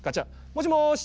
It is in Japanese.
「もしもし」。